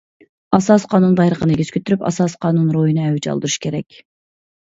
ئاساسىي قانۇن بايرىقىنى ئېگىز كۆتۈرۈپ، ئاساسىي قانۇن روھىنى ئەۋج ئالدۇرۇش كېرەك.